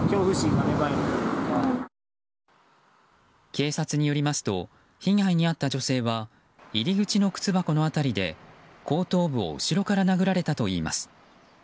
警察によりますと被害に遭った女性は入り口の靴箱の辺りで後頭部を後ろから殴られたといいます。